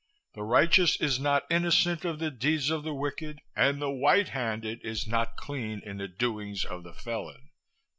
The righteous is not innocent of the deeds of the wicked, and the white handed is not clean in the doings of the felon.'